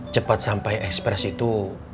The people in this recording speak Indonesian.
cepat sampai ekspres itu